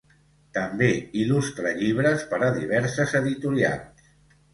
També il·lustra llibres per a diverses editorials.